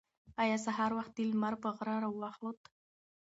ایا سهار وختي لمر په غره راوخوت؟